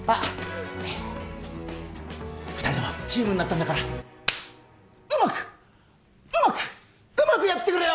２人ともチームになったんだからうまくうまくうまくやってくれよ！